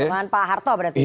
bukan pak harto berarti